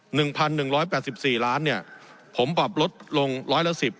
หนึ่งพันหนึ่งร้อยแปดสิบสี่ล้านเนี่ยผมปรับลดลงร้อยละสิบ